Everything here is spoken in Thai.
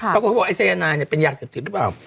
พากลบอกว่าไอ้สัยนายเป็นยาสิบติดหรือเปล่า